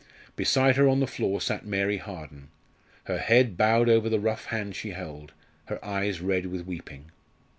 Beside her on the floor sat Mary Harden, her head bowed over the rough hand she held, her eyes red with weeping.